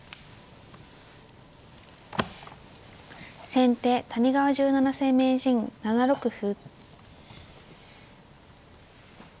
先手谷川十七世名人７六歩。